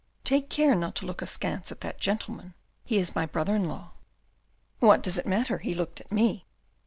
" Take care not to look askance at that gentleman. He is my brother in law." " What does it matter ? He looked at me."